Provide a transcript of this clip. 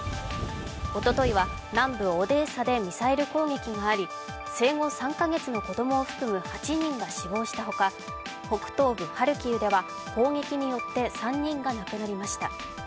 おとといは南部オデーサでミサイル攻撃があり生後３カ月の子供を含む８人が死亡したほか北東部ハルキウでは砲撃によって３人が亡くなりました。